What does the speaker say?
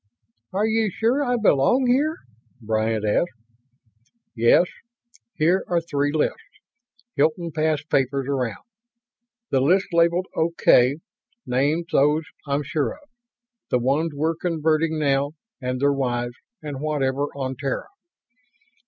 "Are you sure I belong here?" Bryant asked. "Yes. Here are three lists." Hilton passed papers around. "The list labeled 'OK' names those I'm sure of the ones we're converting now and their wives and whatever on Terra.